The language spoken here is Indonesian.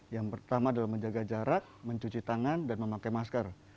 yang pertama adalah menjaga jarak mencuci tangan dan memakai masker